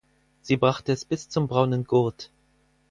Sie brachte es bis zum braunen Gurt.